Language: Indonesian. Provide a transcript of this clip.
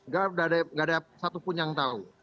gak ada satu pun yang tahu